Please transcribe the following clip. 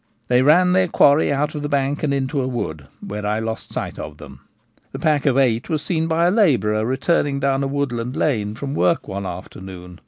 They ran their quarry out of the bank and into a wood, where I lost sight of them. The pack of eight was seen by a labourer returning down a woodland lane from work one afternoon.